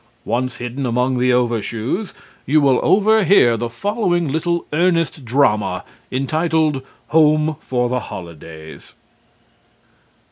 Once hidden among the overshoes, you will overhear the following little earnest drama, entitled "Home for the Holidays."